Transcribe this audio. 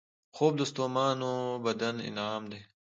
خوب د ستومانو بدن انعام دی